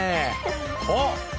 おっ！